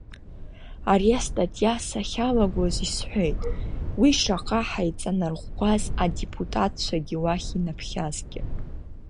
Ари астатиа сахьалагоз исҳәеит, уи шаҟа ҳаиҵанарӷәӷәаз адепутатцәагьы уахь инаԥхьазгьы.